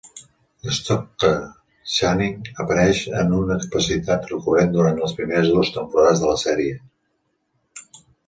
Stockard Channing apareix en una capacitat recurrent durant les primeres dues temporades de la sèrie.